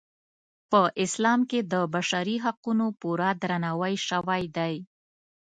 په اسلام کې د بشري حقونو پوره درناوی شوی دی.